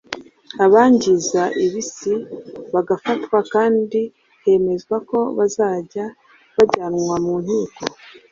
abangiza ibisi bagafatwa kandi hemezwa ko bazajya bajyanwa mu nkiko